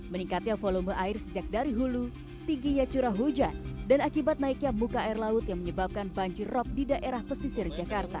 meningkatnya volume air sejak dari hulu tingginya curah hujan dan akibat naiknya muka air laut yang menyebabkan banjir rop di daerah pesisir jakarta